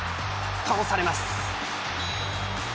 倒されます。